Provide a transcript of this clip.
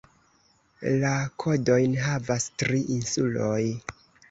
La kodojn havas tri insuloj.